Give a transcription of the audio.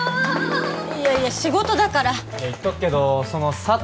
いやいや仕事だから言っとくけどその佐藤